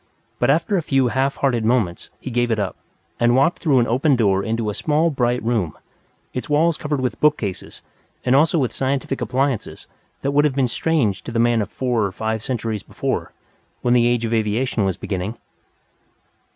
But after a few half hearted movements, he gave it up, and walked through an open door into a small bright room, its walls covered with bookcases and also with scientific appliances that would have been strange to the man of four or five centuries before, when the Age of Aviation was beginning.